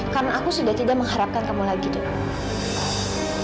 karena aku sudah tidak mengharapkan kamu lagi dok